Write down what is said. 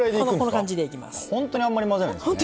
ほんとにあんまり混ぜないんですね。